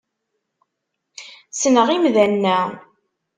Ssneɣ imdanen-a.